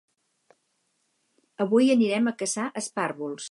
Avui anirem a caçar espàrvols